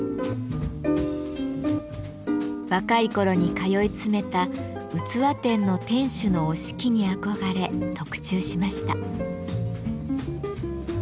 若い頃に通い詰めた器店の店主の折敷に憧れ特注しました。